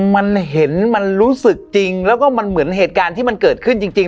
มันเห็นมันรู้สึกจริงแล้วก็มันเหมือนเหตุการณ์ที่มันเกิดขึ้นจริง